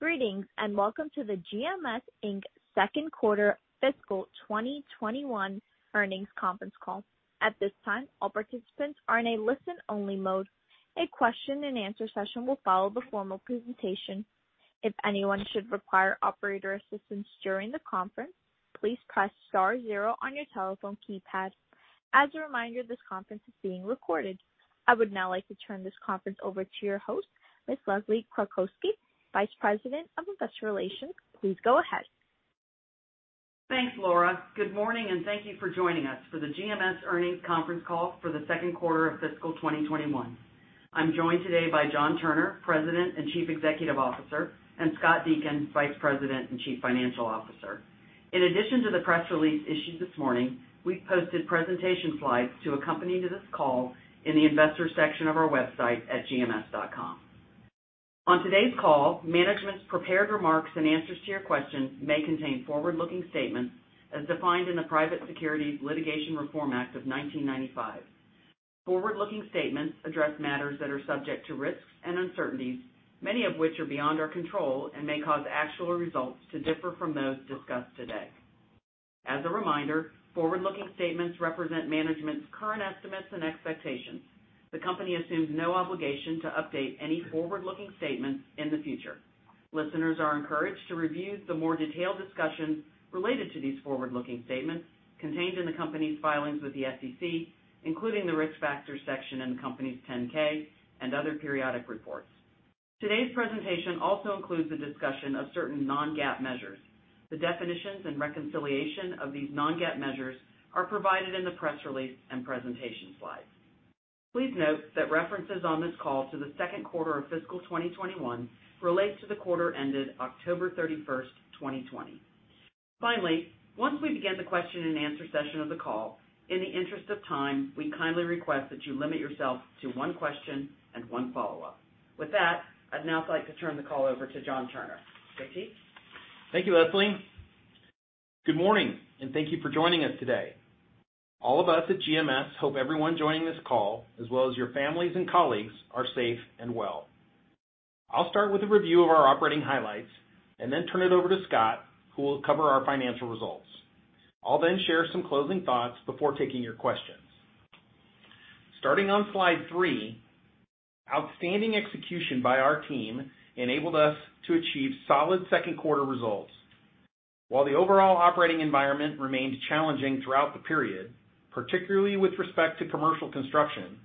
Greetings, and welcome to the GMS Inc. second quarter fiscal 2021 earnings conference call. At this time, all participants are in a listen-only mode. A question and answer session will follow the formal presentation. If anyone should require operator assistance during the conference, please press star zero on your telephone keypad. As a reminder, this conference is being recorded. I would now like to turn this conference over to your host, Ms. Leslie Kratcoski, Vice President of Investor Relations. Please go ahead. Thanks, Laura. Good morning, thank you for joining us for the GMS earnings conference call for the second quarter of fiscal 2021. I'm joined today by John Turner, President and Chief Executive Officer, and Scott Deakin, Vice President and Chief Financial Officer. In addition to the press release issued this morning, we've posted presentation slides to accompany this call in the investors section of our website at gms.com. On today's call, management's prepared remarks and answers to your questions may contain forward-looking statements as defined in the Private Securities Litigation Reform Act of 1995. Forward-looking statements address matters that are subject to risks and uncertainties, many of which are beyond our control and may cause actual results to differ from those discussed today. As a reminder, forward-looking statements represent management's current estimates and expectations. The company assumes no obligation to update any forward-looking statements in the future. Listeners are encouraged to review the more detailed discussion related to these forward-looking statements contained in the company's filings with the SEC, including the Risk Factors section in the company's 10-K and other periodic reports. Today's presentation also includes a discussion of certain non-GAAP measures. The definitions and reconciliation of these non-GAAP measures are provided in the press release and presentation slides. Please note that references on this call to the second quarter of fiscal 2021 relate to the quarter ended October 31st, 2020. Finally, once we begin the question and answer session of the call, in the interest of time, we kindly request that you limit yourself to one question and one follow-up. With that, I'd now like to turn the call over to John Turner. JT? Thank you, Leslie Kratcoski. Good morning, and thank you for joining us today. All of us at GMS hope everyone joining this call, as well as your families and colleagues, are safe and well. I'll start with a review of our operating highlights and then turn it over to Scott, who will cover our financial results. I'll then share some closing thoughts before taking your questions. Starting on slide three, outstanding execution by our team enabled us to achieve solid second quarter results. While the overall operating environment remained challenging throughout the period, particularly with respect to commercial construction,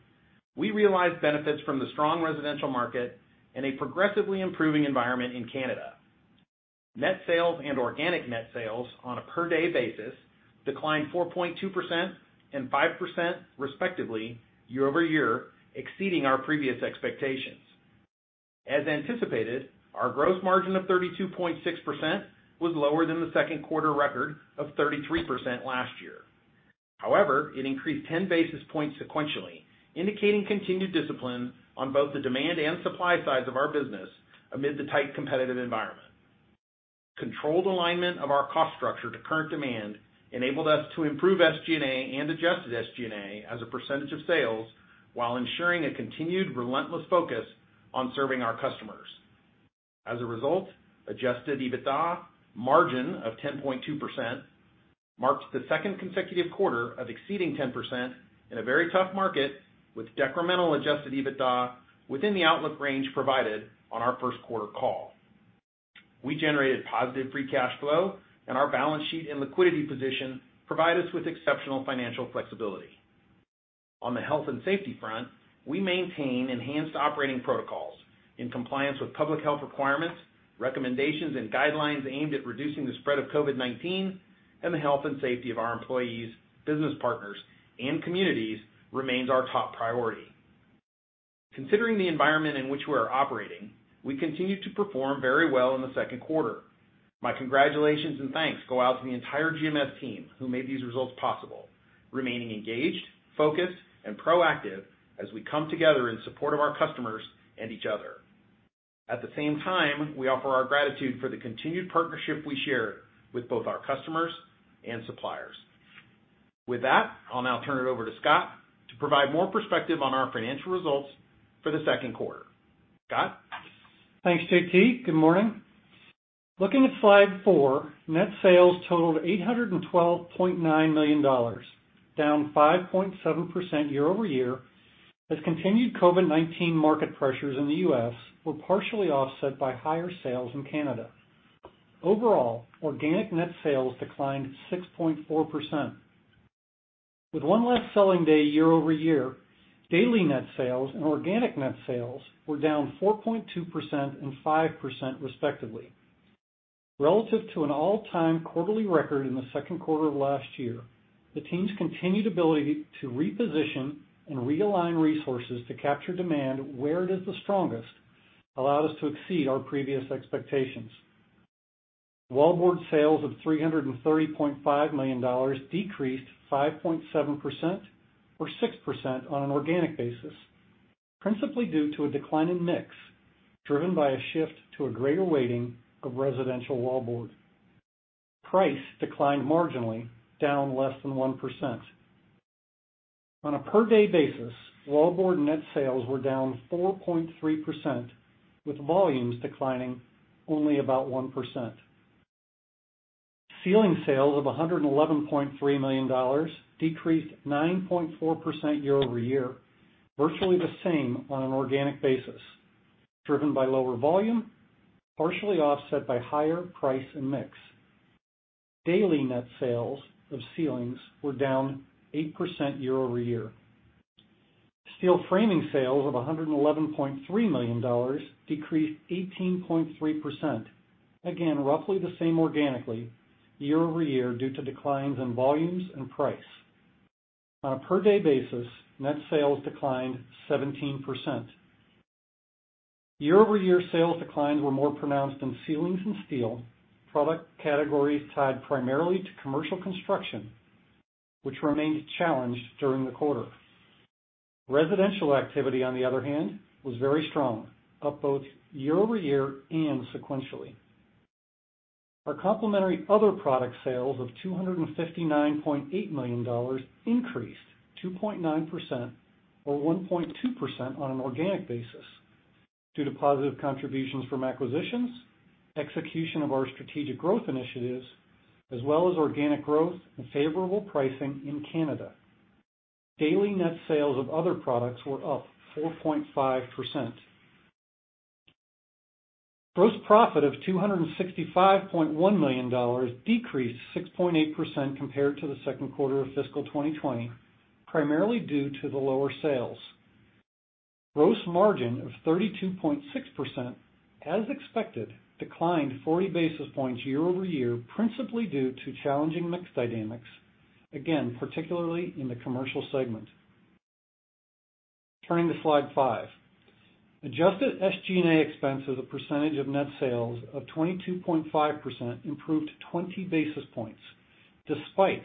we realized benefits from the strong residential market and a progressively improving environment in Canada. Net sales and organic net sales on a per-day basis declined 4.2% and 5% respectively YoY, exceeding our previous expectations. As anticipated, our gross margin of 32.6% was lower than the second quarter record of 33% last year. However, it increased 10 basis points sequentially, indicating continued discipline on both the demand and supply sides of our business amid the tight competitive environment. Controlled alignment of our cost structure to current demand enabled us to improve SG&A and adjusted SG&A as a percentage of sales while ensuring a continued relentless focus on serving our customers. As a result, Adjusted EBITDA margin of 10.2% marks the second consecutive quarter of exceeding 10% in a very tough market with decremental Adjusted EBITDA within the outlook range provided on our first quarter call. We generated positive free cash flow, and our balance sheet and liquidity position provide us with exceptional financial flexibility. On the health and safety front, we maintain enhanced operating protocols in compliance with public health requirements, recommendations, and guidelines aimed at reducing the spread of COVID-19, and the health and safety of our employees, business partners, and communities remains our top priority. Considering the environment in which we are operating, we continue to perform very well in the second quarter. My congratulations and thanks go out to the entire GMS team who made these results possible, remaining engaged, focused, and proactive as we come together in support of our customers and each other. At the same time, we offer our gratitude for the continued partnership we share with both our customers and suppliers. With that, I'll now turn it over to Scott to provide more perspective on our financial results for the second quarter. Scott? Thanks, JT. Good morning. Looking at slide four, net sales totaled $812.9 million, down 5.7% YoY, as continued COVID-19 market pressures in the U.S. were partially offset by higher sales in Canada. Overall, organic net sales declined 6.4%. With one less selling day YoY, daily net sales and organic net sales were down 4.2% and 5% respectively. Relative to an all-time quarterly record in the second quarter of last year, the team's continued ability to reposition and realign resources to capture demand where it is the strongest allowed us to exceed our previous expectations. Wallboard sales of $330.5 million decreased 5.7%, or 6% on an organic basis, principally due to a decline in mix driven by a shift to a greater weighting of residential wallboard. Price declined marginally, down less than 1%. On a per-day basis, wallboard net sales were down 4.3%, with volumes declining only about 1%. Ceilings sales of $111.3 million decreased 9.4% YoY, virtually the same on an organic basis, driven by lower volume, partially offset by higher price and mix. Daily net sales of ceilings were down 8% YoY. Steel framing sales of $111.3 million decreased 18.3%, again, roughly the same organically YoY, due to declines in volumes and price. On a per-day basis, net sales declined 17%. YoY sales declines were more pronounced in ceilings and steel, product categories tied primarily to commercial construction, which remained challenged during the quarter. Residential activity, on the other hand, was very strong, up both YoY and sequentially. Our complementary other product sales of $259.8 million increased 2.9%, or 1.2% on an organic basis due to positive contributions from acquisitions, execution of our strategic growth initiatives, as well as organic growth and favorable pricing in Canada. Daily net sales of other products were up 4.5%. Gross profit of $265.1 million decreased 6.8% compared to the second quarter of fiscal 2020, primarily due to the lower sales. Gross margin of 32.6%, as expected, declined 40 basis points YoY, principally due to challenging mix dynamics, again, particularly in the commercial segment. Turning to slide five. Adjusted SG&A expense as a percentage of net sales of 22.5% improved 20 basis points, despite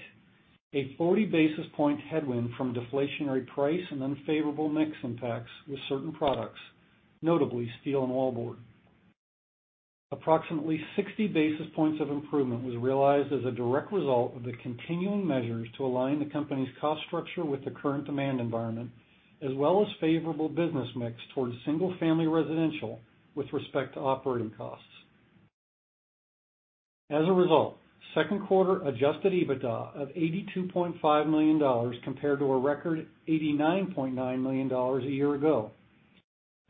a 40 basis point headwind from deflationary price and unfavorable mix impacts with certain products, notably steel and wallboard. Approximately 60 basis points of improvement was realized as a direct result of the continuing measures to align the company's cost structure with the current demand environment, as well as favorable business mix towards single-family residential with respect to operating costs. As a result, second quarter Adjusted EBITDA of $82.5 million compared to a record $89.9 million a year ago.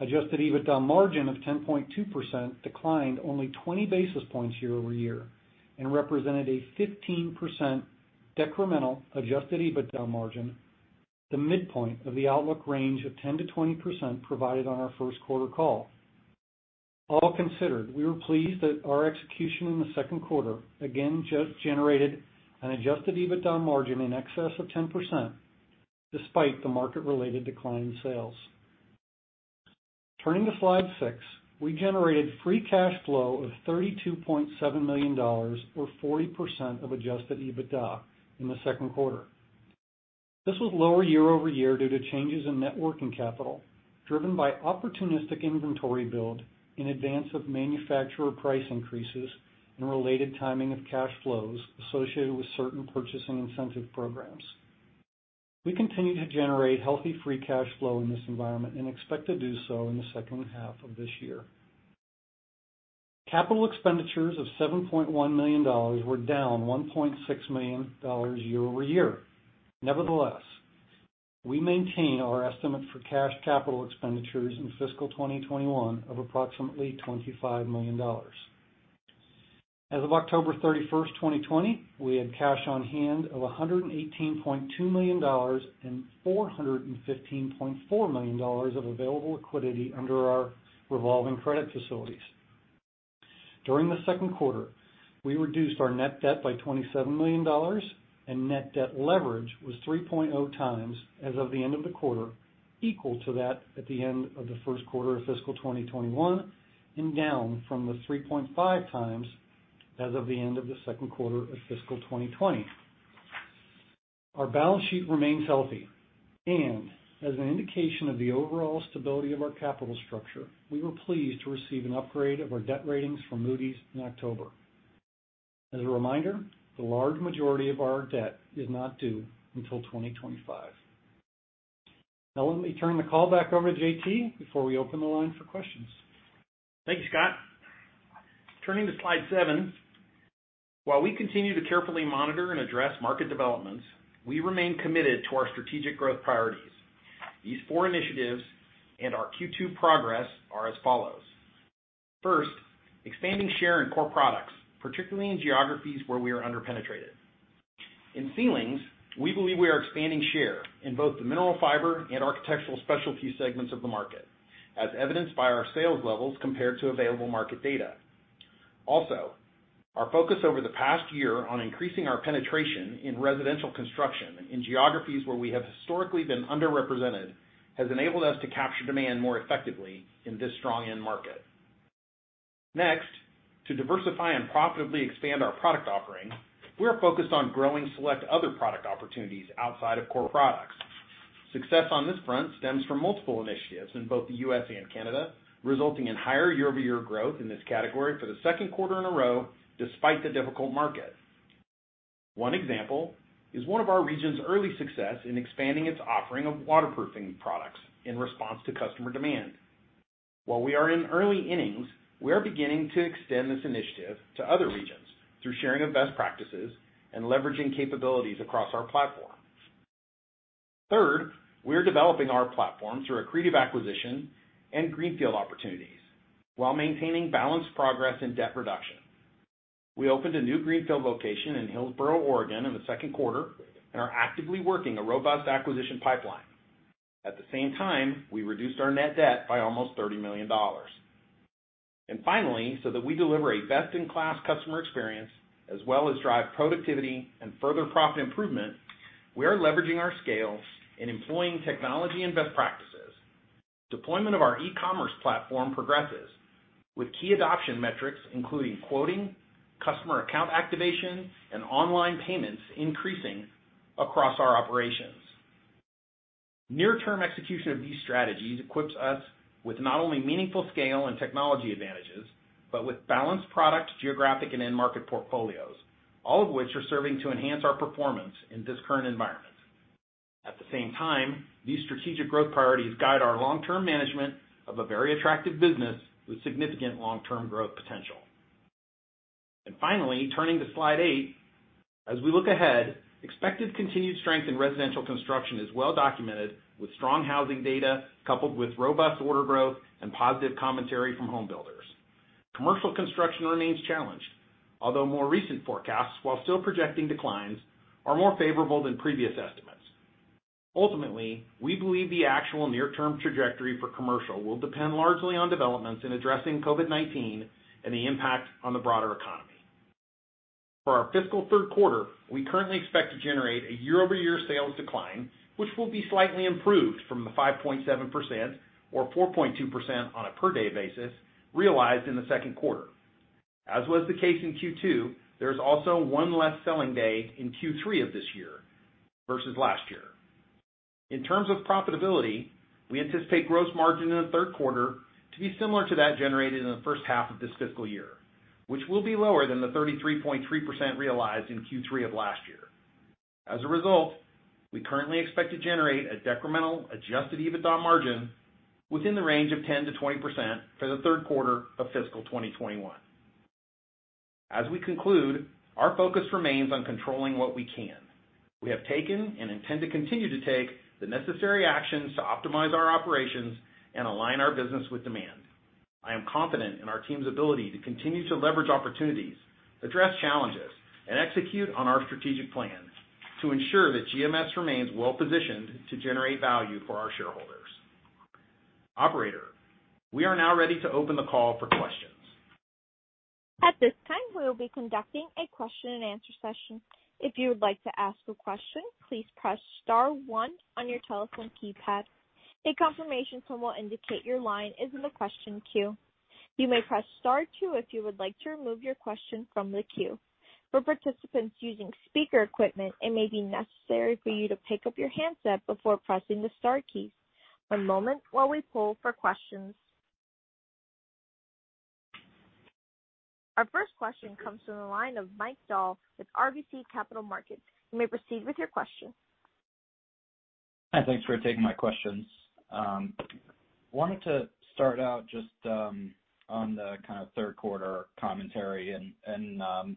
Adjusted EBITDA margin of 10.2% declined only 20 basis points YoY and represented a 15% decremental Adjusted EBITDA margin, the midpoint of the outlook range of 10%-20% provided on our first quarter call. All considered, we were pleased that our execution in the second quarter again generated an Adjusted EBITDA margin in excess of 10%, despite the market-related decline in sales. Turning to slide six, we generated free cash flow of $32.7 million, or 40% of Adjusted EBITDA in the second quarter. This was lower YoY due to changes in net working capital, driven by opportunistic inventory build in advance of manufacturer price increases and related timing of cash flows associated with certain purchasing incentive programs. We continue to generate healthy free cash flow in this environment and expect to do so in the second half of this year. Capital expenditures of $7.1 million were down $1.6 million YoY. Nevertheless, we maintain our estimate for cash capital expenditures in fiscal 2021 of approximately $25 million. As of October 31st, 2020, we had cash on hand of $118.2 million and $415.4 million of available liquidity under our revolving credit facilities. During the second quarter, we reduced our net debt by $27 million, and net debt leverage was 3.0x as of the end of the quarter, equal to that at the end of the first quarter of fiscal 2021, and down from the 3.5x as of the end of the second quarter of fiscal 2020. Our balance sheet remains healthy, and as an indication of the overall stability of our capital structure, we were pleased to receive an upgrade of our debt ratings from Moody's in October. As a reminder, the large majority of our debt is not due until 2025. Now, let me turn the call back over to JT before we open the line for questions. Thank you, Scott. Turning to slide seven. While we continue to carefully monitor and address market developments, we remain committed to our strategic growth priorities. These four initiatives and our Q2 progress are as follows. First, expanding share in core products, particularly in geographies where we are under-penetrated. In ceilings, we believe we are expanding share in both the mineral fiber and architectural specialty segments of the market, as evidenced by our sales levels compared to available market data. Our focus over the past year on increasing our penetration in residential construction in geographies where we have historically been underrepresented has enabled us to capture demand more effectively in this strong end market. Next, to diversify and profitably expand our product offering, we are focused on growing select other product opportunities outside of core products. Success on this front stems from multiple initiatives in both the US and Canada, resulting in higher YoY growth in this category for the second quarter in a row, despite the difficult market. One example is one of our region's early success in expanding its offering of waterproofing products in response to customer demand. While we are in early innings, we are beginning to extend this initiative to other regions through sharing of best practices and leveraging capabilities across our platform. Third, we are developing our platform through accretive acquisition and greenfield opportunities while maintaining balanced progress in debt reduction. We opened a new greenfield location in Hillsboro, Oregon in the second quarter and are actively working a robust acquisition pipeline. At the same time, we reduced our net debt by almost $30 million. Finally, so that we deliver a best-in-class customer experience as well as drive productivity and further profit improvement, we are leveraging our scale and employing technology and best practices. Deployment of our e-commerce platform progresses with key adoption metrics, including quoting, customer account activation, and online payments increasing across our operations. Near-term execution of these strategies equips us with not only meaningful scale and technology advantages, but with balanced product, geographic, and end market portfolios, all of which are serving to enhance our performance in this current environment. At the same time, these strategic growth priorities guide our long-term management of a very attractive business with significant long-term growth potential. Finally, turning to slide eight. As we look ahead, expected continued strength in residential construction is well documented with strong housing data coupled with robust order growth and positive commentary from home builders. Commercial construction remains challenged, although more recent forecasts, while still projecting declines, are more favorable than previous estimates. Ultimately, we believe the actual near-term trajectory for commercial will depend largely on developments in addressing COVID-19 and the impact on the broader economy. For our fiscal third quarter, we currently expect to generate a YoY sales decline, which will be slightly improved from the 5.7%, or 4.2% on a per-day basis, realized in the second quarter. As was the case in Q2, there is also one less selling day in Q3 of this year versus last year. In terms of profitability, we anticipate gross margin in the third quarter to be similar to that generated in the first half of this fiscal year, which will be lower than the 33.3% realized in Q3 of last year. As a result, we currently expect to generate a decremental Adjusted EBITDA margin within the range of 10%-20% for the third quarter of fiscal 2021. As we conclude, our focus remains on controlling what we can. We have taken and intend to continue to take the necessary actions to optimize our operations and align our business with demand. I am confident in our team's ability to continue to leverage opportunities, address challenges, and execute on our strategic plans to ensure that GMS remains well-positioned to generate value for our shareholders. Operator, we are now ready to open the call for questions. At this time, we will be conducting a question and answer session. If you would like to ask a question, please press star one on your telephone keypad. A confirmation tone will indicate your line is in the question queue. You may press star two if you would like to remove your question from the queue. For participants using speaker equipment, it may be necessary for you to pick up your handset before pressing the star key. One moment while we poll for questions. Our first question comes from the line of Mike Dahl with RBC Capital Markets. You may proceed with your question. Hi, thanks for taking my questions. Wanted to start out just on the kind of third quarter commentary and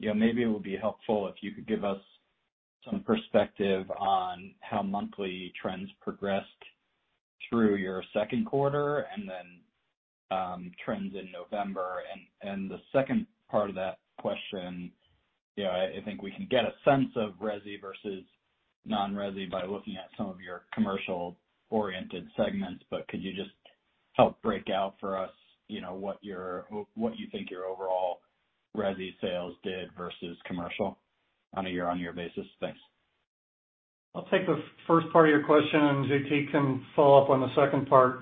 maybe it would be helpful if you could give us some perspective on how monthly trends progressed through your second quarter and then trends in November. The second part of that question, I think we can get a sense of resi versus non-resi by looking at some of your commercial-oriented segments, but could you just help break out for us what you think your overall resi sales did versus commercial on a year-on-year basis? Thanks. I'll take the first part of your question, and JT can follow up on the second part.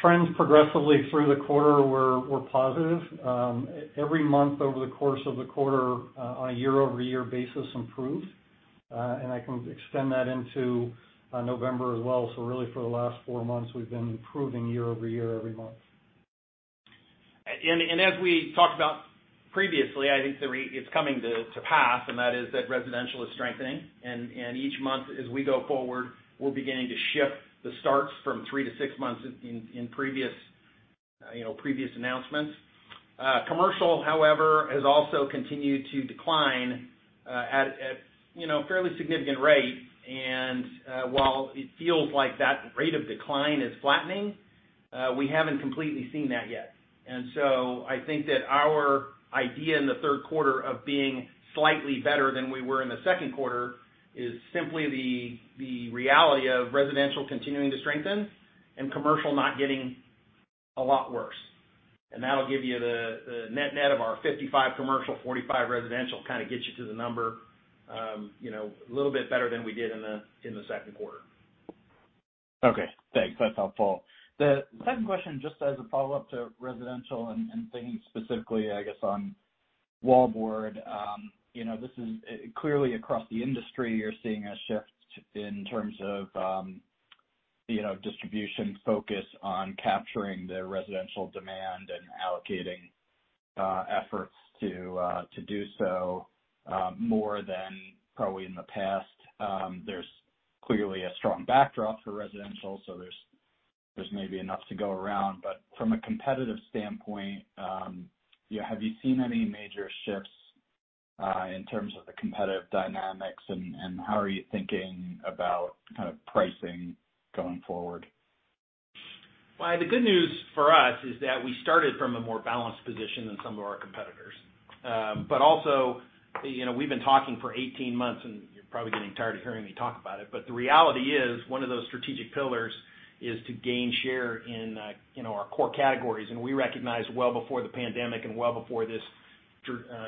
Trends progressively through the quarter were positive. Every month over the course of the quarter on a YoY basis improved. I can extend that into November as well. Really for the last four months, we've been improving YoY every month. As we talked about previously, I think it's coming to pass, and that is that residential is strengthening. Each month as we go forward, we're beginning to shift the starts from three to six months in previous announcements. Commercial, however, has also continued to decline at fairly significant rate, and while it feels like that rate of decline is flattening, we haven't completely seen that yet. I think that our idea in the third quarter of being slightly better than we were in the second quarter is simply the reality of residential continuing to strengthen and commercial not getting a lot worse. That'll give you the net of our 55 commercial, 45 residential kind of gets you to the number a little bit better than we did in the second quarter. Okay, thanks. That's helpful. The second question, just as a follow-up to residential and thinking specifically, I guess, on wallboard. This is clearly across the industry you're seeing a shift in terms of distribution focus on capturing the residential demand and allocating efforts to do so more than probably in the past. There's clearly a strong backdrop for residential, so there's maybe enough to go around. But from a competitive standpoint, have you seen any major shifts in terms of the competitive dynamics, and how are you thinking about kind of pricing going forward? Well, the good news for us is that we started from a more balanced position than some of our competitors. Also, we've been talking for 18 months, and you're probably getting tired of hearing me talk about it, but the reality is, one of those strategic pillars is to gain share in our core categories. We recognized well before the pandemic, and well before this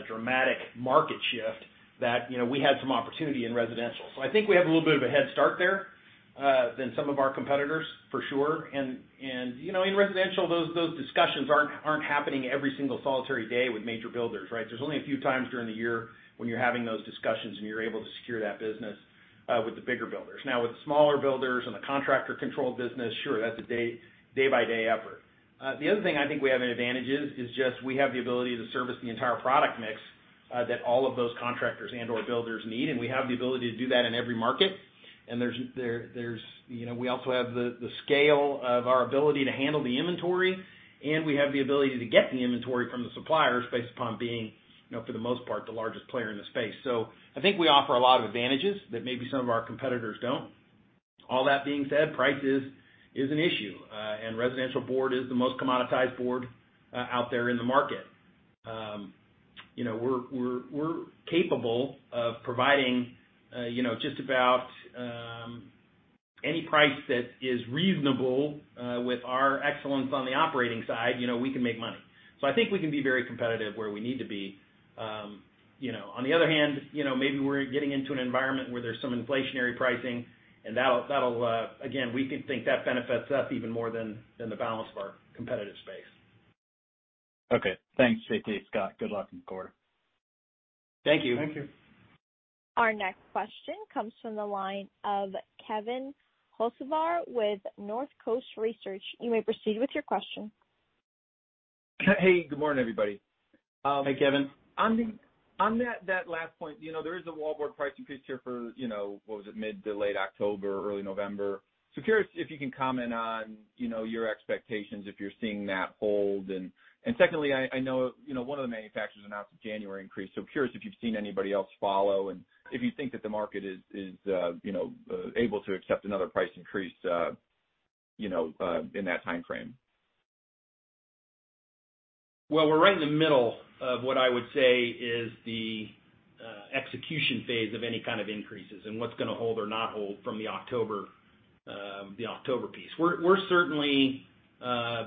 dramatic market shift that we had some opportunity in residential. I think we have a little bit of a head start there, than some of our competitors, for sure. In residential, those discussions aren't happening every single solitary day with major builders, right? There's only a few times during the year when you're having those discussions and you're able to secure that business with the bigger builders. Now, with the smaller builders and the contractor-controlled business, sure, that's a day-by-day effort. The other thing I think we have in advantages is just we have the ability to service the entire product mix that all of those contractors and/or builders need. We have the ability to do that in every market. We also have the scale of our ability to handle the inventory, and we have the ability to get the inventory from the suppliers based upon being, for the most part, the largest player in the space. I think we offer a lot of advantages that maybe some of our competitors don't. All that being said, price is an issue. Residential board is the most commoditized board out there in the market. We're capable of providing just about any price that is reasonable. With our excellence on the operating side, we can make money. I think we can be very competitive where we need to be. On the other hand, maybe we're getting into an environment where there's some inflationary pricing, and again, we think that benefits us even more than the balance of our competitive space. Okay. Thanks, JT, Scott. Good luck in the quarter. Thank you. Thank you. Our next question comes from the line of Kevin Hocevar with Northcoast Research. You may proceed with your question. Hey, good morning, everybody. Hey, Kevin. On that last point, there is a wallboard price increase here for, what was it, mid to late October, early November? I am curious if you can comment on your expectations, if you're seeing that hold. Secondly, I know one of the manufacturers announced a January increase. I am curious if you've seen anybody else follow, and if you think that the market is able to accept another price increase in that timeframe. Well, we're right in the middle of what I would say is the execution phase of any kind of increases, and what's going to hold or not hold from the October piece. We're certainly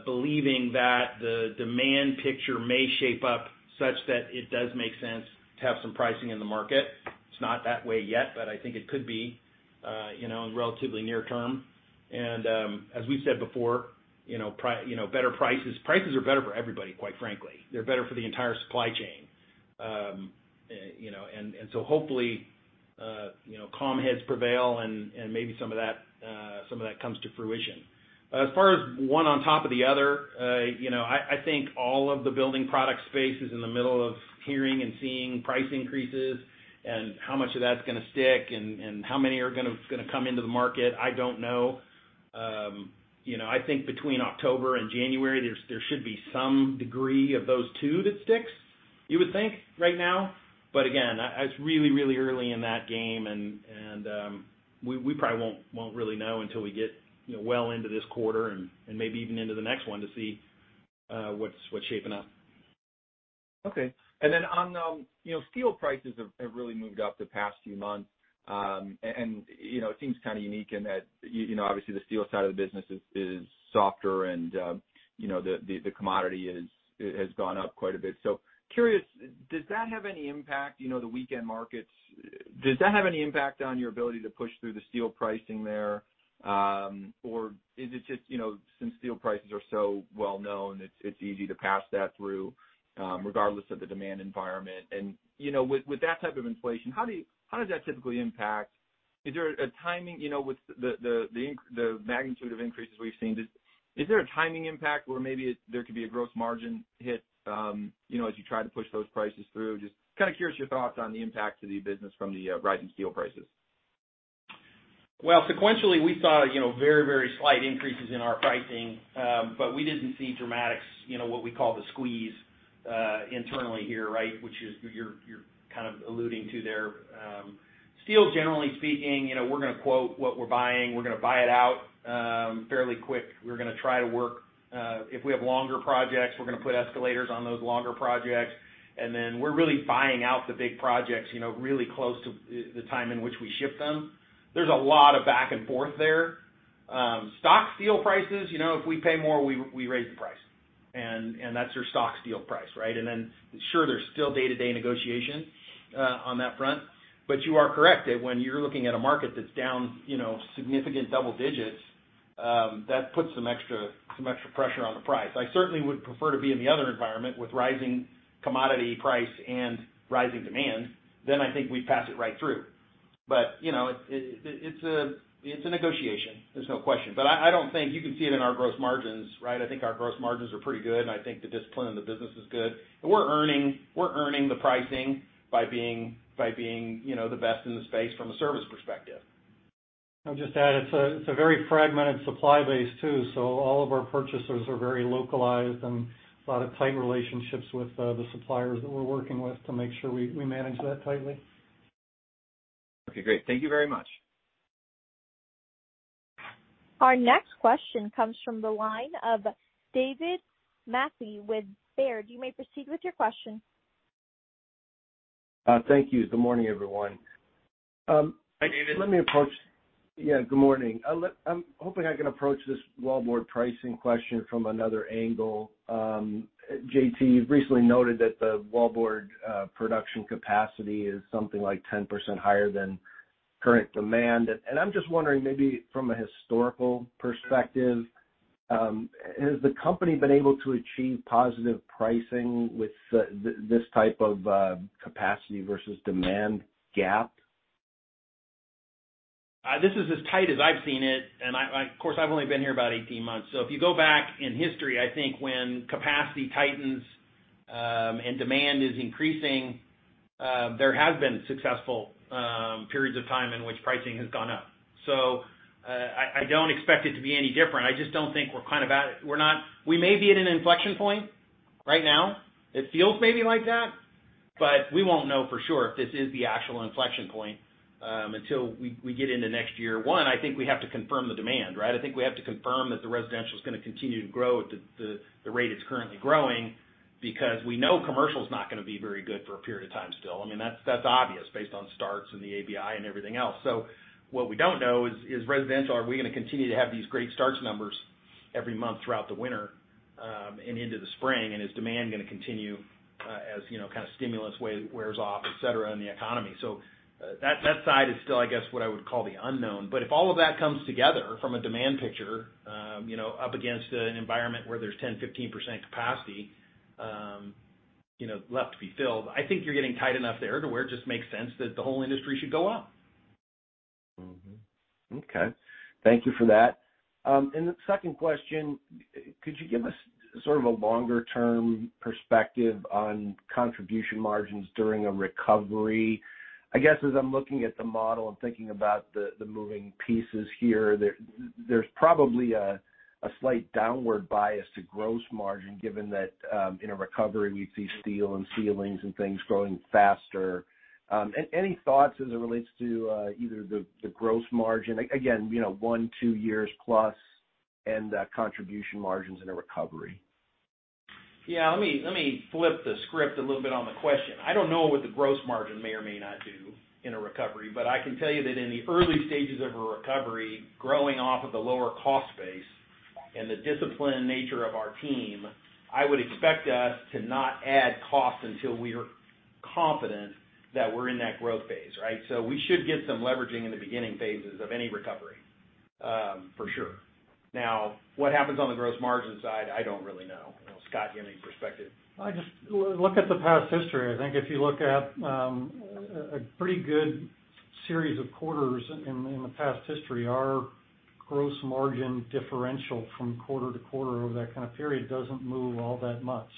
believing that the demand picture may shape up such that it does make sense to have some pricing in the market. It's not that way yet, but I think it could be in relatively near term. As we've said before, prices are better for everybody, quite frankly. They're better for the entire supply chain. Hopefully calm heads prevail and maybe some of that comes to fruition. As far as one on top of the other, I think all of the building product space is in the middle of hearing and seeing price increases, how much of that's going to stick and how many are going to come into the market, I don't know. I think between October and January, there should be some degree of those two that sticks, you would think, right now. Again, it's really early in that game, and we probably won't really know until we get well into this quarter and maybe even into the next one to see what's shaping up. Okay. Then on the steel prices have really moved up the past few months. It seems kind of unique in that obviously the steel side of the business is softer and the commodity has gone up quite a bit. Curious, does that have any impact, the weakened markets, does that have any impact on your ability to push through the steel pricing there? Is it just since steel prices are so well-known, it's easy to pass that through regardless of the demand environment? With that type of inflation, how does that typically impact with the magnitude of increases we've seen, is there a timing impact where maybe there could be a gross margin hit as you try to push those prices through? Just kind of curious your thoughts on the impact to the business from the rising steel prices. Well, sequentially, we saw very slight increases in our pricing. We didn't see dramatic, what we call the squeeze, internally here, right? Which is what you're kind of alluding to there. Steel, generally speaking we're going to quote what we're buying. We're going to buy it out fairly quick. We're going to try to work. If we have longer projects, we're going to put escalators on those longer projects. Then we're really buying out the big projects really close to the time in which we ship them. There's a lot of back and forth there. Stock steel prices, if we pay more, we raise the price. That's your stock steel price, right? Then sure, there's still day-to-day negotiation on that front. You are correct that when you're looking at a market that's down significant double digits, that puts some extra pressure on the price. I certainly would prefer to be in the other environment with rising commodity price and rising demand. I think we'd pass it right through. It's a negotiation, there's no question. I don't think you can see it in our gross margins, right? I think our gross margins are pretty good, and I think the discipline of the business is good. We're earning the pricing by being the best in the space from a service perspective. I'll just add, it's a very fragmented supply base too. All of our purchasers are very localized and a lot of tight relationships with the suppliers that we're working with to make sure we manage that tightly. Okay, great. Thank you very much. Our next question comes from the line of David Manthey with Baird. You may proceed with your question. Thank you. Good morning, everyone. Hi, David. Yeah, good morning. I'm hoping I can approach this wallboard pricing question from another angle. JT, you've recently noted that the wallboard production capacity is something like 10% higher than current demand. I'm just wondering, maybe from a historical perspective, has the company been able to achieve positive pricing with this type of capacity versus demand gap? This is as tight as I've seen it, and of course, I've only been here about 18 months. If you go back in history, I think when capacity tightens and demand is increasing, there have been successful periods of time in which pricing has gone up. I don't expect it to be any different. I just don't think We may be at an inflection point right now. It feels maybe like that, but we won't know for sure if this is the actual inflection point until we get into next year. One, I think we have to confirm the demand, right? I think we have to confirm that the residential is going to continue to grow at the rate it's currently growing because we know commercial is not going to be very good for a period of time still. That's obvious based on starts and the ABI and everything else. What we don't know is residential. Are we going to continue to have these great starts numbers every month throughout the winter and into the spring? Is demand going to continue as stimulus wears off, et cetera, in the economy? That side is still what I would call the unknown. If all of that comes together from a demand picture up against an environment where there's 10%-15% capacity left to be filled, I think you're getting tight enough there to where it just makes sense that the whole industry should go up. Mm-hmm. Okay. Thank you for that. The second question, could you give us sort of a longer-term perspective on contribution margins during a recovery? I guess as I'm looking at the model and thinking about the moving pieces here, there's probably a slight downward bias to gross margin given that in a recovery we see steel and ceilings and things growing faster. Any thoughts as it relates to either the gross margin, again one, two years plus and contribution margins in a recovery? Yeah. Let me flip the script a little bit on the question. I don't know what the gross margin may or may not do in a recovery, but I can tell you that in the early stages of a recovery, growing off of the lower cost base and the discipline and nature of our team, I would expect us to not add costs until we are confident that we're in that growth phase, right? We should get some leveraging in the beginning phases of any recovery, for sure. Now, what happens on the gross margin side, I don't really know. Scott, you have any perspective? I just look at the past history. I think if you look at a pretty good series of quarters in the past history, our gross margin differential from quarter-to-quarter over that kind of period doesn't move all that much.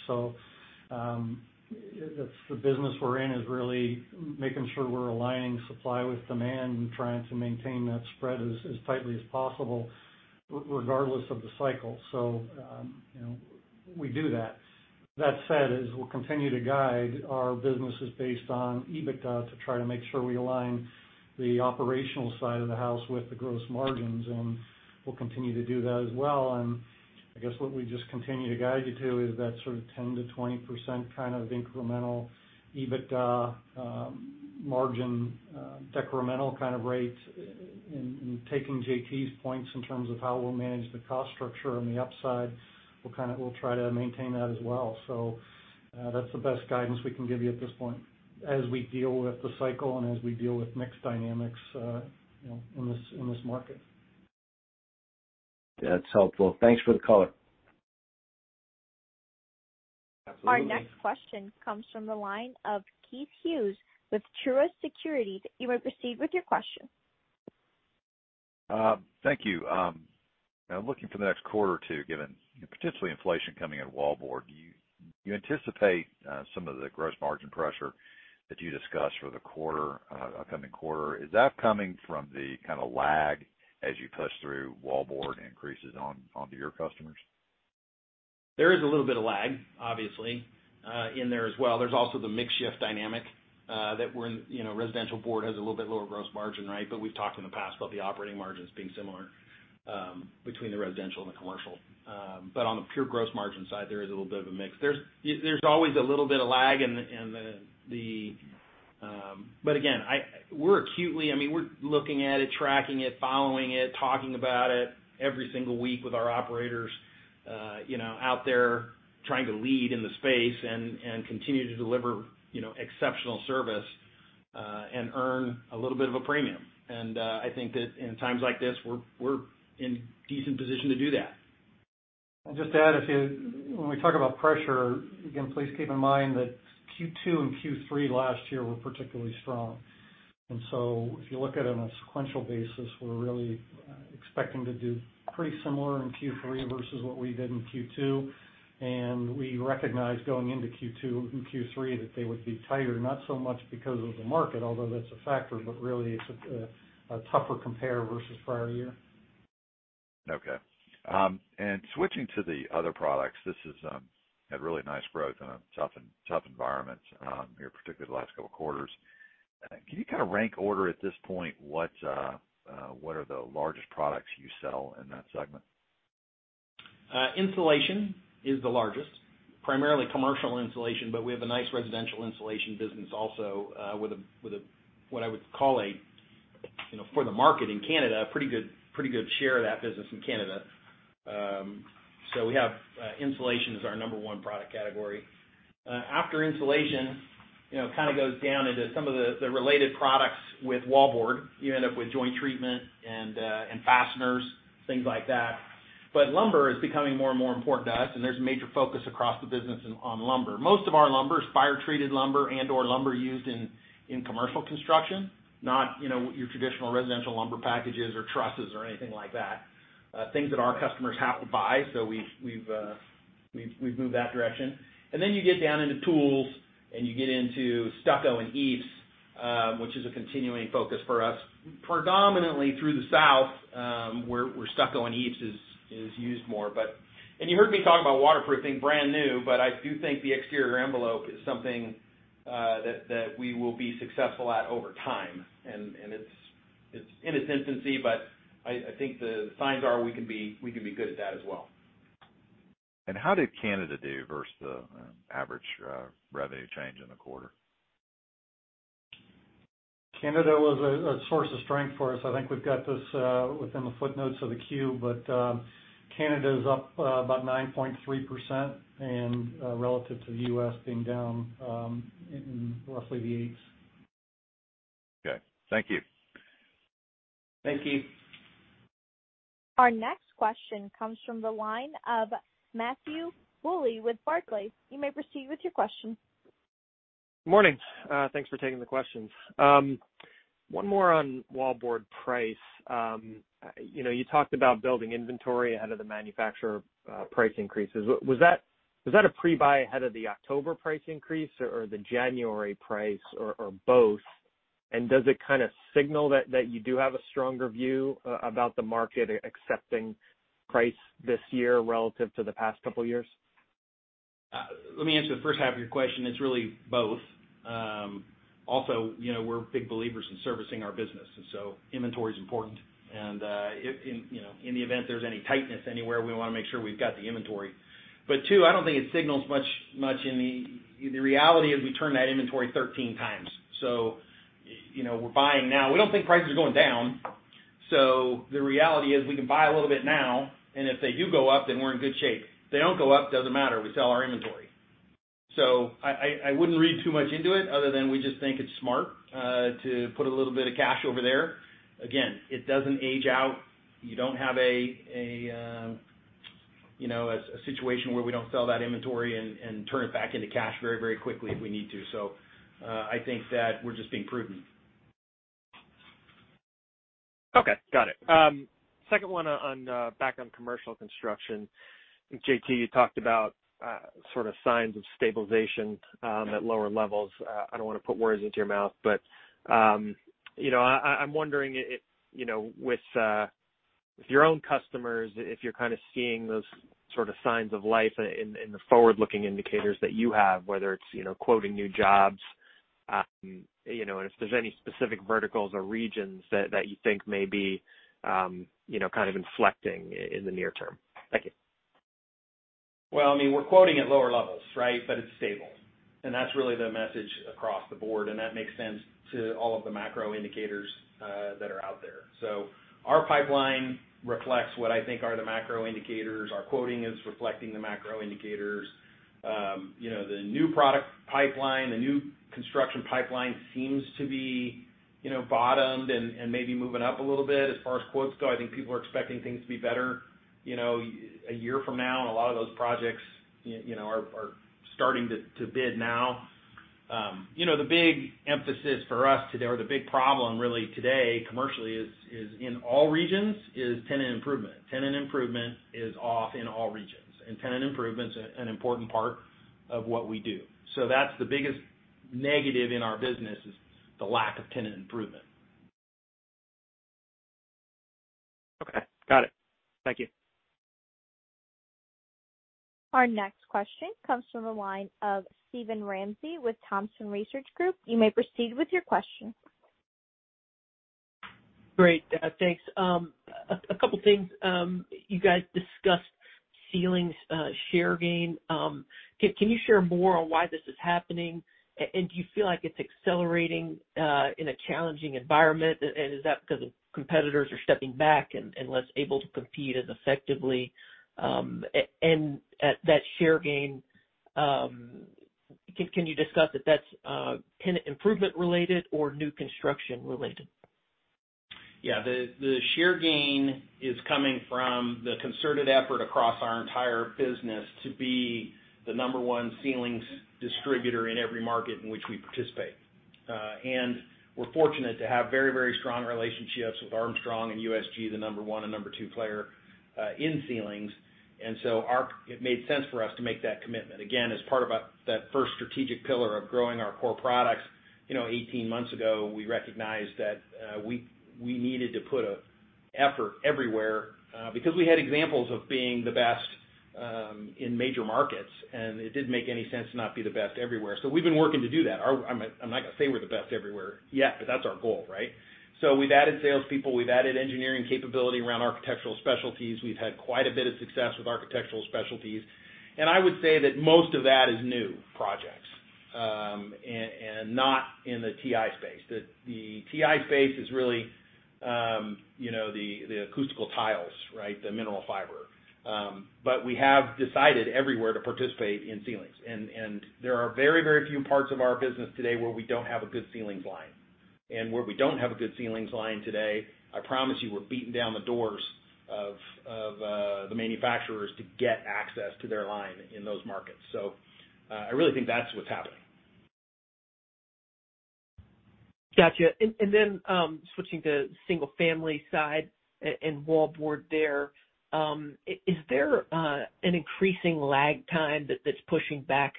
The business we're in is really making sure we're aligning supply with demand and trying to maintain that spread as tightly as possible regardless of the cycle. We do that. That said, as we'll continue to guide our businesses based on EBITDA to try to make sure we align the operational side of the house with the gross margins, and we'll continue to do that as well. I guess what we just continue to guide you to is that sort of 10%-20% kind of incremental EBITDA margin decremental kind of rate and taking JT's points in terms of how we'll manage the cost structure on the upside. We'll try to maintain that as well. That's the best guidance we can give you at this point as we deal with the cycle and as we deal with mix dynamics in this market. That's helpful. Thanks for the color. Absolutely. Our next question comes from the line of Keith Hughes with Truist Securities. You may proceed with your question. Thank you. I'm looking for the next quarter or two, given potentially inflation coming in wallboard. Do you anticipate some of the gross margin pressure that you discussed for the upcoming quarter? Is that coming from the kind of lag as you push through wallboard increases onto your customers? There is a little bit of lag, obviously, in there as well. There's also the mix shift dynamic that residential wallboard has a little bit lower gross margin, right? We've talked in the past about the operating margins being similar between the residential and the commercial. On the pure gross margin side, there is a little bit of a mix. There's always a little bit of lag. Again, we're acutely looking at it, tracking it, following it, talking about it every single week with our operators out there trying to lead in the space and continue to deliver exceptional service and earn a little bit of a premium. I think that in times like this, we're in decent position to do that. Just to add, when we talk about pressure, again, please keep in mind that Q2 and Q3 last year were particularly strong. If you look at it on a sequential basis, we're really expecting to do pretty similar in Q3 versus what we did in Q2. We recognized going into Q2 and Q3 that they would be tighter, not so much because of the market, although that's a factor, but really it's a tougher compare versus prior year. Okay. Switching to the other products, this has had really nice growth in a tough environment here, particularly the last couple of quarters. Can you kind of rank order at this point, what are the largest products you sell in that segment? Insulation is the largest, primarily commercial insulation, but we have a nice residential insulation business also, with what I would call a, for the market in Canada, a pretty good share of that business in Canada. We have insulation as our number one product category. After insulation, it kind of goes down into some of the related products with wallboard. You end up with joint treatment and fasteners, things like that. Lumber is becoming more and more important to us, and there's major focus across the business on lumber. Most of our lumber is fire-treated lumber and/or lumber used in commercial construction, not your traditional residential lumber packages or trusses or anything like that. Things that our customers have to buy. We've moved that direction. Then you get down into tools and you get into stucco and EIFS, which is a continuing focus for us. Predominantly through the South, where stucco and EIFS is used more. You heard me talk about waterproofing, brand new, but I do think the exterior envelope is something that we will be successful at over time. It's in its infancy, but I think the signs are we can be good at that as well. How did Canada do versus the average revenue change in the quarter? Canada was a source of strength for us. I think we've got this within the footnotes of the Q, but Canada is up about 9.3% and relative to the U.S. being down in roughly the 8%s. Okay. Thank you. Thank you. Our next question comes from the line of Matthew Bouley with Barclays. You may proceed with your question. Morning. Thanks for taking the questions. One more on wallboard price. You talked about building inventory ahead of the manufacturer price increases. Was that a pre-buy ahead of the October price increase or the January price or both? Does it kind of signal that you do have a stronger view about the market accepting price this year relative to the past couple of years? Let me answer the first half of your question. It's really both. We're big believers in servicing our business, inventory is important. In the event there's any tightness anywhere, we want to make sure we've got the inventory. Two, I don't think it signals much. The reality is we turn that inventory 13 times. We're buying now. We don't think prices are going down. The reality is we can buy a little bit now. If they do go up, we're in good shape. If they don't go up, doesn't matter, we sell our inventory. I wouldn't read too much into it other than we just think it's smart to put a little bit of cash over there. Again, it doesn't age out. You don't have a situation where we don't sell that inventory and turn it back into cash very quickly if we need to. I think that we're just being prudent. Okay. Got it. Second one back on commercial construction. JT, you talked about sort of signs of stabilization at lower levels. I don't want to put words into your mouth, but I'm wondering with your own customers, if you're kind of seeing those sort of signs of life in the forward-looking indicators that you have, whether it's quoting new jobs, and if there's any specific verticals or regions that you think may be kind of inflecting in the near term. Thank you. I mean, we're quoting at lower levels, right? It's stable, and that's really the message across the board, and that makes sense to all of the macro indicators that are out there. Our pipeline reflects what I think are the macro indicators. Our quoting is reflecting the macro indicators. The new product pipeline, the new construction pipeline seems to be bottomed and maybe moving up a little bit as far as quotes go. I think people are expecting things to be better a year from now, and a lot of those projects are starting to bid now. The big emphasis for us today, or the big problem really today commercially is in all regions is tenant improvement. Tenant improvement is off in all regions, and tenant improvement is an important part of what we do. That's the biggest negative in our business is the lack of tenant improvement. Okay. Got it. Thank you. Our next question comes from the line of Steven Ramsey with Thompson Research Group. You may proceed with your question. Great. Thanks. A couple of things. You guys discussed ceilings share gain. Can you share more on why this is happening? Do you feel like it's accelerating in a challenging environment? Is that because competitors are stepping back and less able to compete as effectively? That share gain, can you discuss if that's tenant improvement related or new construction related? The share gain is coming from the concerted effort across our entire business to be the number one ceilings distributor in every market in which we participate. We're fortunate to have very strong relationships with Armstrong and USG, the number one and number two player in ceilings. It made sense for us to make that commitment. Again, as part of that first strategic pillar of growing our core products, 18 months ago, we recognized that we needed to put effort everywhere because we had examples of being the best in major markets, and it didn't make any sense to not be the best everywhere. We've been working to do that. I'm not going to say we're the best everywhere yet, but that's our goal, right? We've added salespeople, we've added engineering capability around architectural specialties. We've had quite a bit of success with architectural specialties. I would say that most of that is new projects, and not in the TI space. The TI space is really the acoustical tiles, right? The mineral fiber. We have decided everywhere to participate in ceilings. There are very few parts of our business today where we don't have a good ceilings line. Where we don't have a good ceilings line today, I promise you, we're beating down the doors of the manufacturers to get access to their line in those markets. I really think that's what's happening. Got you. Switching to single-family side and wallboard there, is there an increasing lag time that's pushing back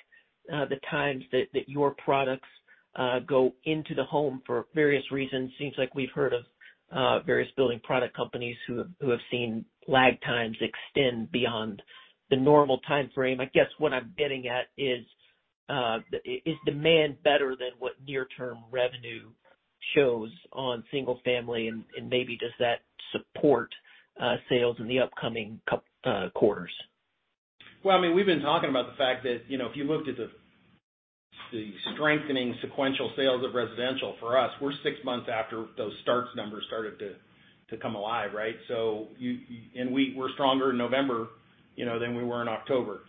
the times that your products go into the home for various reasons? Seems like we've heard of various building product companies who have seen lag times extend beyond the normal timeframe. I guess what I'm getting at is demand better than what near-term revenue shows on single family? Maybe does that support sales in the upcoming quarters? Well, we've been talking about the fact that, if you looked at the strengthening sequential sales of residential for us, we're six months after those starts numbers started to come alive, right? We're stronger in November, than we were in October.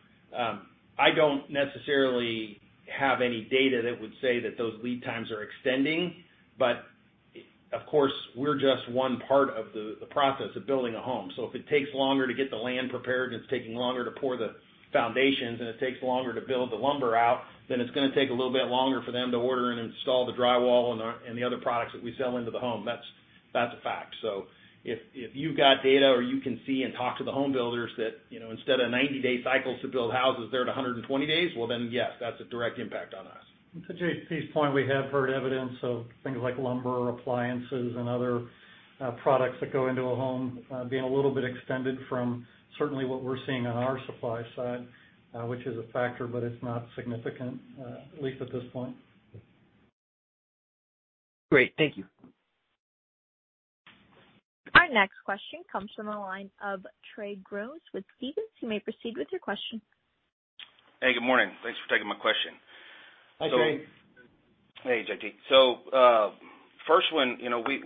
I don't necessarily have any data that would say that those lead times are extending, but, of course, we're just one part of the process of building a home. If it takes longer to get the land prepared, and it's taking longer to pour the foundations, and it takes longer to build the lumber out, then it's going to take a little bit longer for them to order and install the drywall and the other products that we sell into the home. That's a fact. If you've got data, or you can see and talk to the home builders that instead of 90-day cycles to build houses, they're at 120 days, well, then yes, that's a direct impact on us. To JT's point, we have heard evidence of things like lumber, appliances, and other products that go into a home, being a little bit extended from certainly what we're seeing on our supply side, which is a factor, but it's not significant, at least at this point. Great. Thank you. Our next question comes from the line of Trey Grooms with Stephens. You may proceed with your question. Hey, good morning. Thanks for taking my question. Hi, Trey. Hey, JT. First one,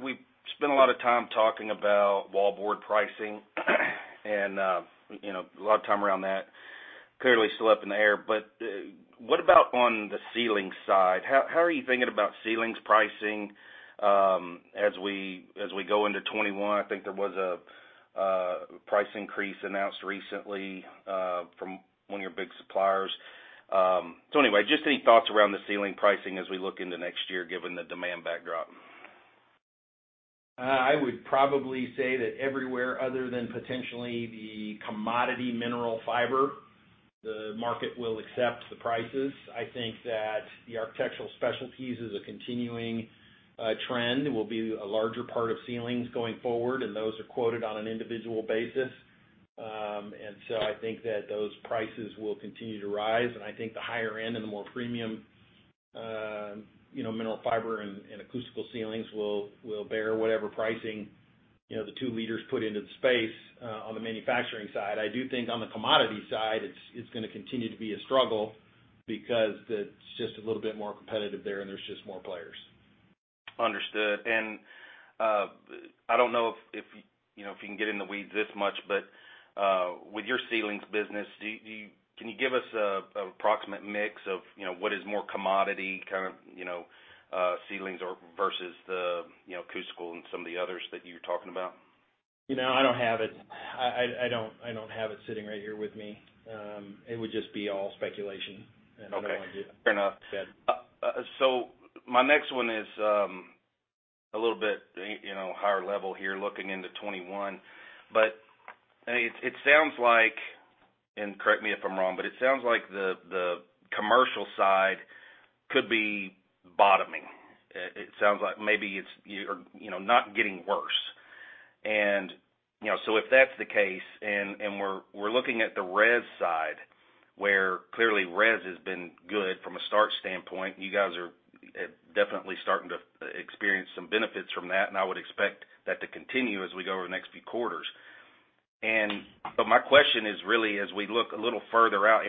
we spent a lot of time talking about wallboard pricing and a lot of time around that. Clearly still up in the air, but what about on the ceiling side? How are you thinking about ceilings pricing, as we go into 2021? I think there was a price increase announced recently, from one of your big suppliers. Anyway, just any thoughts around the ceiling pricing as we look into next year, given the demand backdrop. I would probably say that everywhere other than potentially the commodity mineral fiber, the market will accept the prices. I think that the architectural specialties is a continuing trend. It will be a larger part of ceilings going forward, and those are quoted on an individual basis. I think that those prices will continue to rise, and I think the higher end and the more premium mineral fiber and acoustical ceilings will bear whatever pricing the two leaders put into the space on the manufacturing side. I do think on the commodity side, it's going to continue to be a struggle because it's just a little bit more competitive there, and there's just more players. Understood. I don't know if you can get in the weeds this much, but, with your ceilings business, can you give us an approximate mix of what is more commodity ceilings versus the acoustical and some of the others that you were talking about? I don't have it sitting right here with me. It would just be all speculation, and I don't want to do that. Okay. Fair enough. My next one is, a little bit higher level here, looking into 2021. It sounds like, and correct me if I'm wrong, but it sounds like the commercial side could be bottoming. It sounds like maybe it's not getting worse. If that's the case, and we're looking at the res side where clearly res has been good from a start standpoint. You guys are definitely starting to experience some benefits from that, and I would expect that to continue as we go over the next few quarters. My question is really as we look a little further out,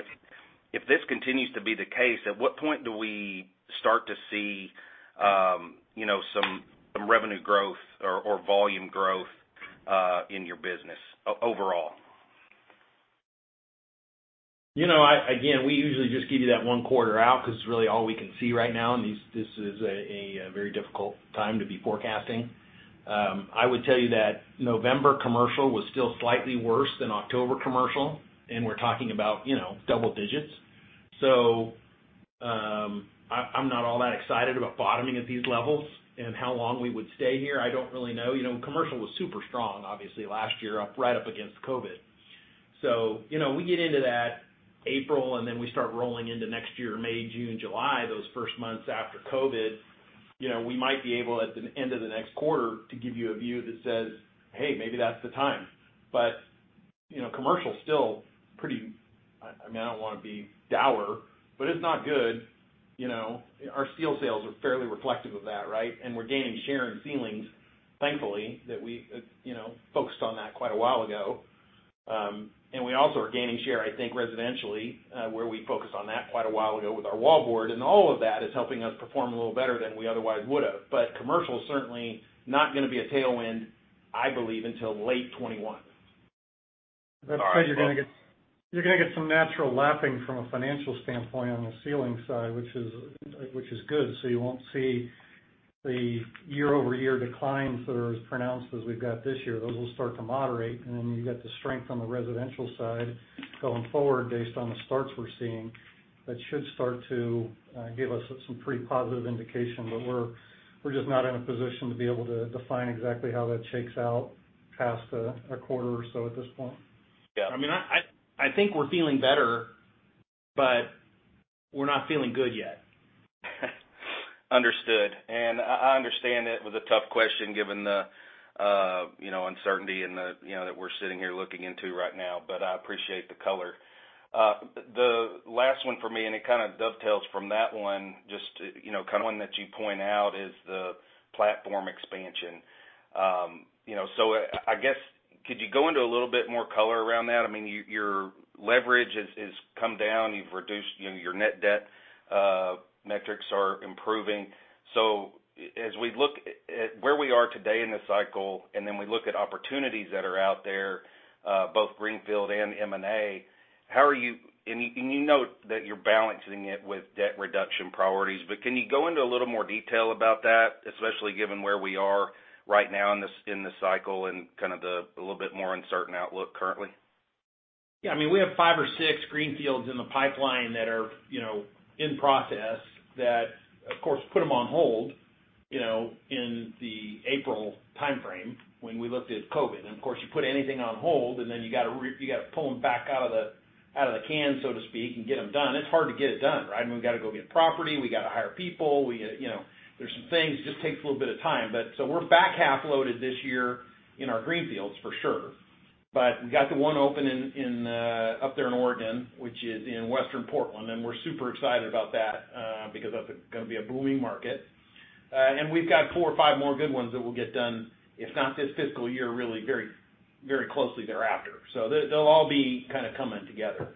if this continues to be the case, at what point do we start to see some revenue growth or volume growth, in your business overall? We usually just give you that one quarter out because it's really all we can see right now, and this is a very difficult time to be forecasting. I would tell you that November commercial was still slightly worse than October commercial, and we're talking about double digits. I'm not all that excited about bottoming at these levels. How long we would stay here, I don't really know. Commercial was super strong, obviously last year, right up against COVID. We get into that April, and then we start rolling into next year, May, June, July, those first months after COVID, we might be able at the end of the next quarter to give you a view that says, "Hey, maybe that's the time." Commercial's still pretty I don't want to be dour, but it's not good. Our steel sales are fairly reflective of that, right? We're gaining share in ceilings, thankfully, that we focused on that quite a while ago. We also are gaining share, I think, residentially, where we focused on that quite a while ago with our wallboard. All of that is helping us perform a little better than we otherwise would have. Commercial's certainly not going to be a tailwind, I believe, until late 2021. That said, you're going to get some natural lapping from a financial standpoint on the ceiling side, which is good. You won't see the YoY declines that are as pronounced as we've got this year. Those will start to moderate, you've got the strength on the residential side going forward based on the starts we're seeing. That should start to give us some pretty positive indication. We're just not in a position to be able to define exactly how that shakes out past a quarter or so at this point. Yeah. I think we're feeling better, but we're not feeling good yet. Understood. I understand it was a tough question given the uncertainty and that we're sitting here looking into right now, but I appreciate the color. The last one for me, and it kind of dovetails from that one, just kind of one that you point out is the platform expansion. I guess, could you go into a little bit more color around that? Your leverage has come down. You've reduced your net debt. Metrics are improving. As we look at where we are today in this cycle, and then we look at opportunities that are out there, both greenfield and M&A, and you note that you're balancing it with debt reduction priorities, but can you go into a little more detail about that, especially given where we are right now in this cycle and kind of the little bit more uncertain outlook currently? Yeah. We have five or six greenfields in the pipeline that are in process that, of course, put them on hold in the April timeframe when we looked at COVID. Of course, you put anything on hold, and then you got to pull them back out of the can, so to speak, and get them done. It's hard to get it done, right? We've got to go get property. We got to hire people. There's some things, just takes a little bit of time. We're back half loaded this year in our greenfields for sure. We got the one open up there in Oregon, which is in Western Portland, and we're super excited about that, because that's going to be a booming market. We've got four or five more good ones that we'll get done, if not this fiscal year, really very closely thereafter. They'll all be kind of coming together.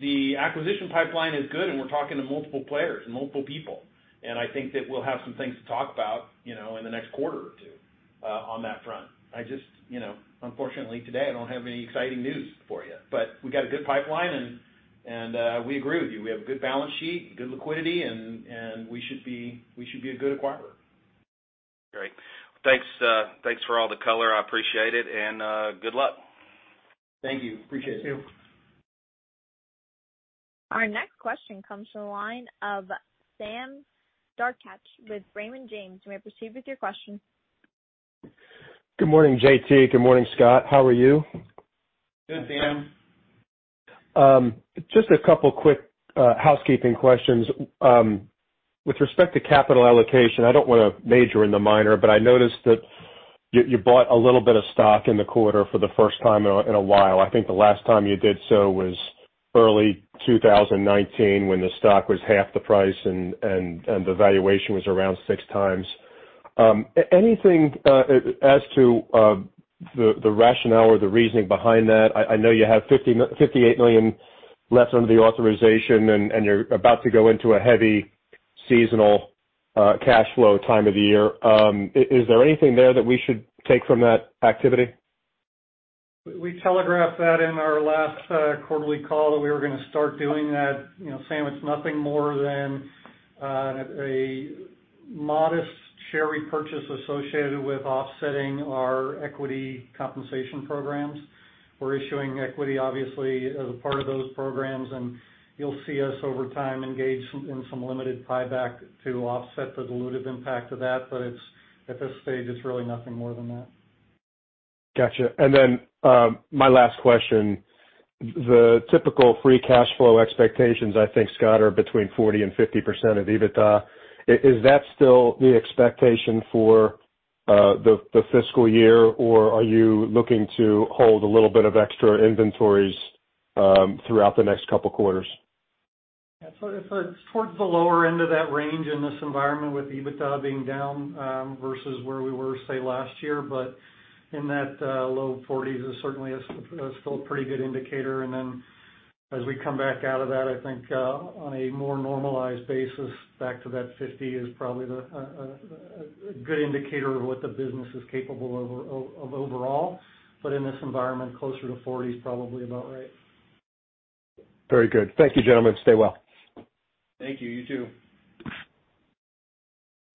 The acquisition pipeline is good and we're talking to multiple players and multiple people, and I think that we'll have some things to talk about in the next quarter or two on that front. I just, unfortunately today, I don't have any exciting news for you. We got a good pipeline and we agree with you. We have a good balance sheet, good liquidity, and we should be a good acquirer. Great. Thanks for all the color. I appreciate it, and good luck. Thank you. Appreciate it. Thank you. Our next question comes from the line of Sam Darkatsh with Raymond James. You may proceed with your question. Good morning, JT. Good morning, Scott. How are you? Good, Sam. Just a couple quick housekeeping questions. With respect to capital allocation, I don't want to major in the minor, but I noticed that you bought a little bit of stock in the quarter for the first time in a while. I think the last time you did so was early 2019 when the stock was half the price and the valuation was around six times. Anything as to the rationale or the reasoning behind that? I know you have $58 million left under the authorization, and you're about to go into a heavy seasonal cash flow time of the year. Is there anything there that we should take from that activity? We telegraphed that in our last quarterly call that we were going to start doing that. Sam, it's nothing more than a modest share repurchase associated with offsetting our equity compensation programs. We're issuing equity, obviously, as a part of those programs, you'll see us over time engage in some limited buyback to offset the dilutive impact of that. At this stage, it's really nothing more than that. Got you. My last question. The typical free cash flow expectations, I think, Scott, are between 40% and 50% of EBITDA. Is that still the expectation for the fiscal year, or are you looking to hold a little bit of extra inventories throughout the next couple quarters? It's towards the lower end of that range in this environment with EBITDA being down versus where we were, say, last year. In that low 40%s is certainly still a pretty good indicator. As we come back out of that, I think on a more normalized basis back to that 50% is probably a good indicator of what the business is capable of overall. In this environment, closer to 40% is probably about right. Very good. Thank you, gentlemen. Stay well. Thank you. You too.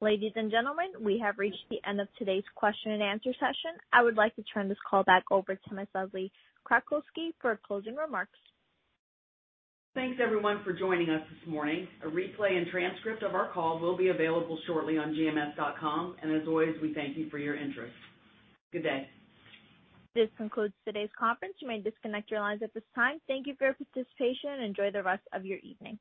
Ladies and gentlemen, we have reached the end of today's question and answer session. I would like to turn this call back over to Ms. Leslie Kratcoski for closing remarks. Thanks, everyone, for joining us this morning. A replay and transcript of our call will be available shortly on gms.com. As always, we thank you for your interest. Good day. This concludes today's conference. You may disconnect your lines at this time. Thank you for your participation, and enjoy the rest of your evening.